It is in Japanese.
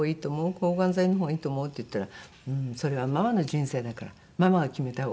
「抗がん剤の方がいいと思う？」って言ったら「それはママの人生だからママが決めた方がいい」って。